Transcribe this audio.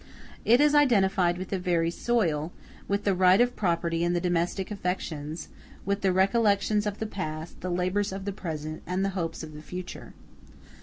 It is identified with the very soil, with the right of property and the domestic affections, with the recollections of the past, the labors of the present, and the hopes of the future.